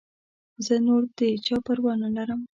زه نور د چا پروا نه لرم.